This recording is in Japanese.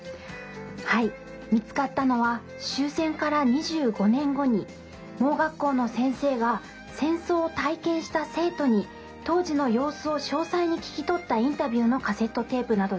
はい見つかったのは終戦から２５年後に盲学校の先生が戦争を体験した生徒に当時の様子を詳細に聞き取ったインタビューのカセットテープなどです。